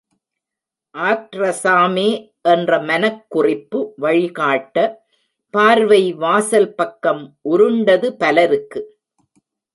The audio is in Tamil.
ஆக்ட்ரஸாமே! என்ற மனக் குறிப்பு வழிகாட்ட பார்வை வாசல் பக்கம் உருண்டது பலருக்கு.